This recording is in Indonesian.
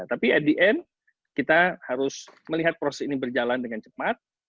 tapi at the end kita harus melihat proses ini berjalan dengan cepat